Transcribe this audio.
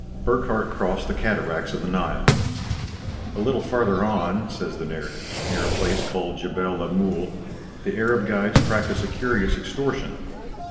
Burckhardt crossed the cataracts of the Nile. "A little farther on," says the narrative, "near a place called Djebel Lamoule, the Arab guides practise a curious extortion."